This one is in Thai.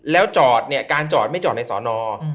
แล้วจอดเนี่ยการจอดไม่จอดในสอนอ